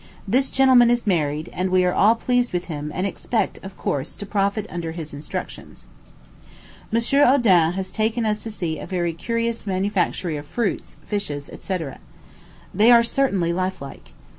This gentleman is married; and we are all pleased with him and expect, of course, to profit under his instructions. M. Oudin has taken us to see a very curious manufactory of fruits, fishes, &c. They certainly are lifelike.